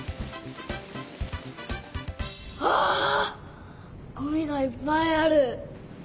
わあごみがいっぱいある！